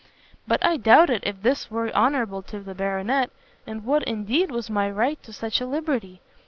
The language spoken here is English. But I doubted if this were honourable to the Baronet, and what, indeed, was my right to such a liberty?